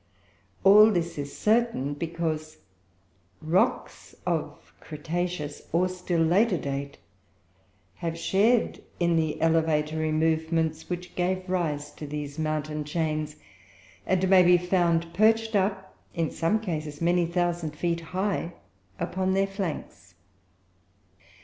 All this is certain, because rocks of cretaceous, or still later, date have shared in the elevatory movements which gave rise to these mountain chains; and may be found perched up, in some cases, many thousand feet high upon their flanks.